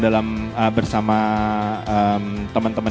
dalam bersama teman teman